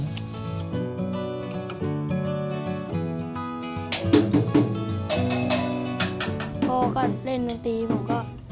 พ่อก็เล่นดนตรีผมก็